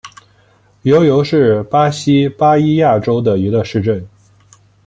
尤尤是巴西巴伊亚州的一个市镇。